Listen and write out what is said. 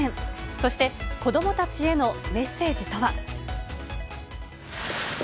そして、子どもたちへのメッセージとは。